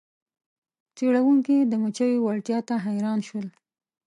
څیړونکي د مچیو وړتیا ته حیران شول.